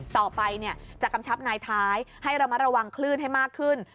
ต่อไปจะกำชับนายท้ายให้ระมัดระวังคลื่นให้มากขึ้น